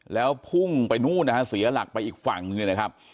แล้วพุ่งไปนู่นนะฮะเสียหลักไปอีกฝั่งหนึ่งเนี่ยนะครับ